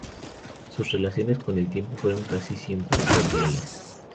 Sus relaciones con el imperio fueron casi siempre cordiales.